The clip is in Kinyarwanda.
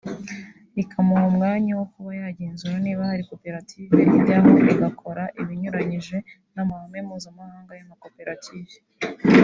rikamuha umwanya wo kuba yagenzura niba hari koperative ijyaho igakora ibinyuranyije n’amahame mpuzamahanga y’amakoperative